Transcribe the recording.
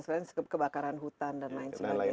sekarang kebakaran hutan dan lain lain